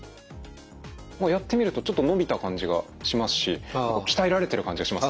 やってみるとちょっと伸びた感じがしますし鍛えられてる感じがします。